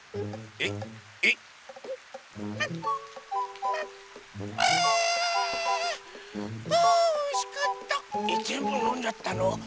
えっぜんぶのんじゃったの？